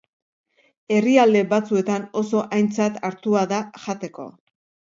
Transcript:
Herrialde batzuetan oso aintzat hartua da jateko.